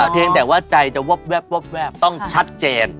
เพียงแต่ว่าใจจะวอบต้องชัดเจน